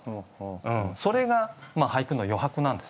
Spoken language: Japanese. それが俳句の余白なんです。